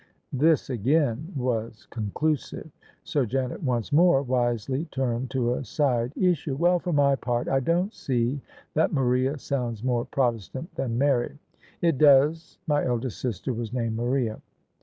This again was conclusive: so Janet once more wisely turned to a side issue. " Well, for my part, I don't see that Maria soimds more Protestant than Mary." " It does: my eldest sister was named Maria."